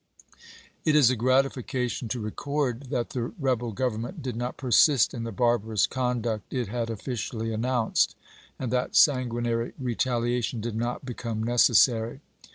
It is a gratification to record that the rebel Gov ernment did not persist in the barbarous conduct it had officially announced, and that sanguinary retaliation did not become necessary.